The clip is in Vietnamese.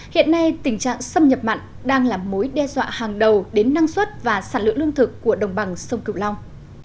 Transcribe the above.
hiện nay tình trạng xâm nhập mặn đang là mối đe dọa hàng đầu đến năng suất và sản lượng lương thực của đồng bằng sông cửu long